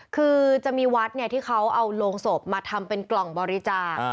คือจะมีวัดที่เขาเอาโรงศพมาทำเป็นกล่องบริจาค